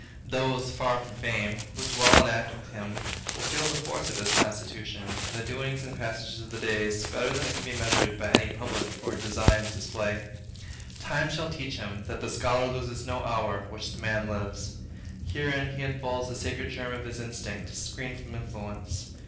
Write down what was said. Those 'far from fame,' who dwell and act with him, will feel the force of his constitution in the doings and passages of the day better than it can be measured by any public and designed display. Time shall teach him, that the scholar loses no hour which the man lives. Herein he unfolds the sacred germ of his instinct, screened from influence.